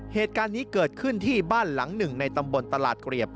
เหตุการณ์นี้เกิดขึ้นที่บ้านหลังหนึ่งในตำบลตลาดเกลียบ